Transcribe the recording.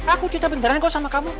aku cinta beneran kok sama kamu